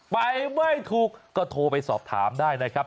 ไปไม่ถูกก็โทรไปสอบถามได้นะครับ